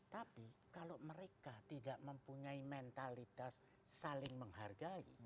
tapi kalau mereka tidak mempunyai mentalitas saling menghargai